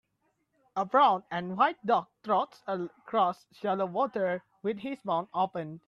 A brown and white dog trots across shallow water with his mouth open.